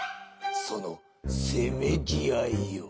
そのせめぎ合いよ。